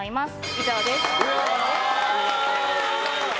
以上です。